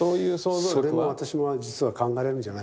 それも私も実は考えられるんじゃないかと。